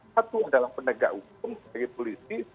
satu adalah pendegak umum sebagai polisi